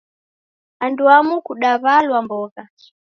Anduamu kudaw'alwa mbogha